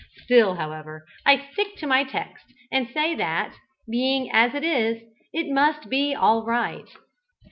Still, however, I stick to my text, and say that, being as it is, it must be all right.